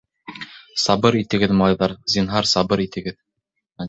— Сабыр итегеҙ, малайҙар, зинһар, сабыр итегеҙ.